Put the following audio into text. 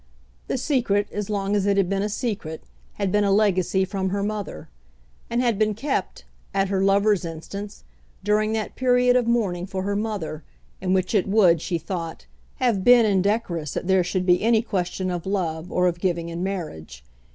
The secret, as long as it had been a secret, had been a legacy from her mother, and had been kept, at her lover's instance, during that period of mourning for her mother in which it would, she thought, have been indecorous that there should be any question of love or of giving in marriage.